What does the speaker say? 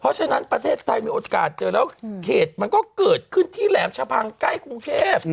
เพราะฉะนั้นประเทศไทยมีโอกาสเจอแล้วเหตุมันก็เกิดขึ้นที่แหลมชะพังใกล้กรุงเทพ